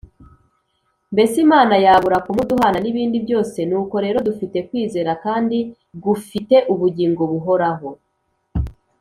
Mbese Imana yabura kumuduhana n’ibindi byose nuko rero dufite kwizera kandi gufite ubugingo buhoraho.